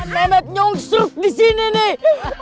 niat nyungsep di sini nih